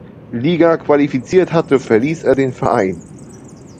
Liga qualifiziert hatte, verließ er den Verein.